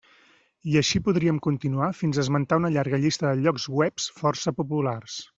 I així podríem continuar fins a esmentar una llarga llista de llocs webs força populars.